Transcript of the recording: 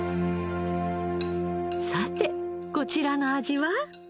さてこちらの味は？